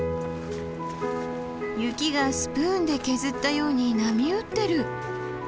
雪がスプーンで削ったように波打っている！